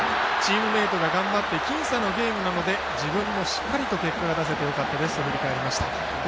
チームメートが頑張って僅差のゲームなので自分もしっかりと結果が出せてよかったですと振り返りました。